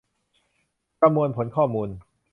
ประมวลผลข้อมูล